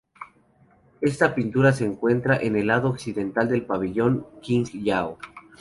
Esta pintura se encuentra en el lado occidental del Pabellón Qing Yao.